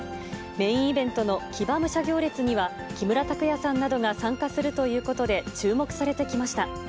メインイベントの騎馬武者行列には、木村拓哉さんなどが参加するということで注目されてきました。